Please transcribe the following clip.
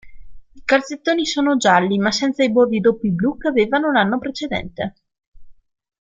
I calzettoni sono gialli, ma senza i bordi doppi blu che avevano l'anno precedente.